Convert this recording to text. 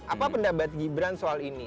apa pendapat gibran soal ini